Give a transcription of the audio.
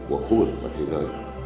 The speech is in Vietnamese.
của khu vực trên thế giới